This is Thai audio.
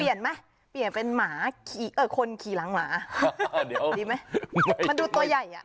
ไหมเปลี่ยนเป็นหมาขี่เอ่อคนขี่หลังหมาเดี๋ยวดีไหมมันดูตัวใหญ่อ่ะ